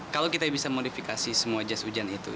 kalau kita bisa modifikasi semua jas hujan itu